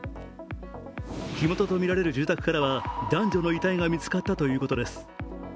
火元とみられる住宅からは男女の遺体が見つかったということです。